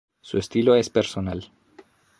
Su estilo es personal.